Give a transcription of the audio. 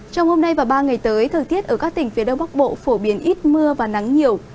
trong hôm nay và ba ngày tới thời tiết ở các tỉnh phía đông bắc bộ phổ biến ít mưa và nắng nhiều